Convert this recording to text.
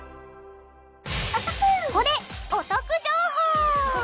ここでお得情報！